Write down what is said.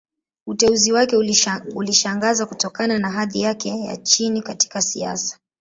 Uteuzi wake ulishangaza, kutokana na hadhi yake ya chini katika siasa.